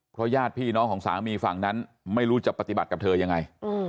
ญาติพี่น้องของสามีฝั่งนั้นไม่รู้จะปฏิบัติกับเธอยังไง